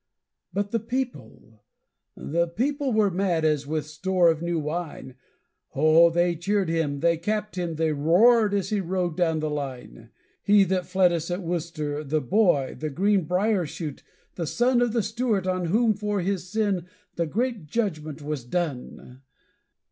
But the people, the people were mad as with store of new wine; Oh, they cheered him, they capped him, they roared as he rode down the line: He that fled us at Worcester, the boy, the green brier shoot, the son Of the Stuart on whom for his sin the great judgment was done!